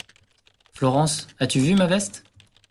Florence, as-tu vu ma veste?